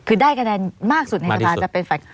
คือได้คะแนนมากสุดในสภา